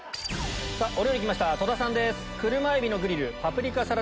お料理来ました戸田さんです。